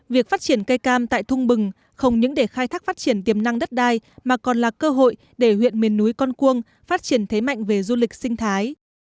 việc phát triển cây cam tại thung bừng không những để khai thác phát triển tiềm năng đất đai mà còn là cơ hội để huyện miền núi con cuông phát triển thế mạnh về du lịch sinh thái